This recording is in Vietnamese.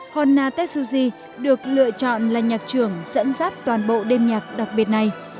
honna tetsuji được lựa chọn là nhạc trưởng sẵn sát toàn bộ đêm nhạc đặc biệt này